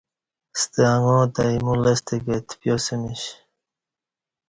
ستہ اݣا تہ ایمو لستہ کتے تپیاسمیش